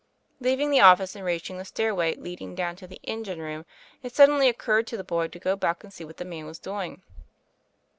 Leaving the office, and reaching the stairway leading down to the engine room, it suddenly occurred to the boy to go back and see what the man was doing.